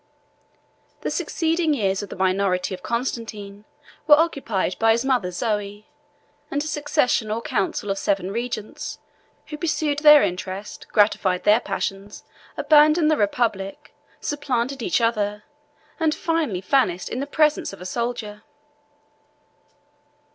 The succeeding years of the minority of Constantine were occupied by his mother Zoe, and a succession or council of seven regents, who pursued their interest, gratified their passions, abandoned the republic, supplanted each other, and finally vanished in the presence of a soldier.